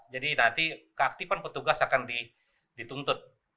jadi nanti keaktifan petugas akan dituntut